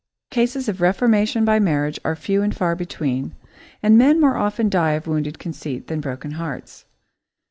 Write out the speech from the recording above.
Cases of reformation by marriage are few and far between, and men more often die of wounded conceit than broken hearts.